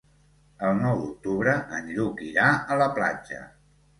El nou d'octubre en Lluc irà a la platja.